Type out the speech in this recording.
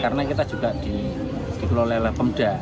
karena kita juga digelola oleh pemuda